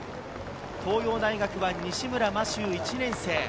東洋大学は西村真周、１年生。